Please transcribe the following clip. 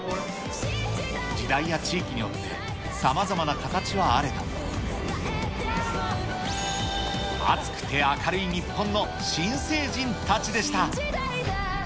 時代や地域によってさまざまな形はあれど、熱くて明るい日本の新成人たちでした。